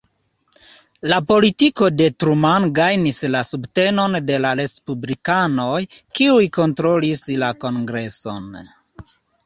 La politiko de Truman gajnis la subtenon de la respublikanoj kiuj kontrolis la kongreson.